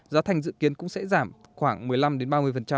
giá thành dự kiến cũng sẽ giảm khoảng một mươi năm đến ba mươi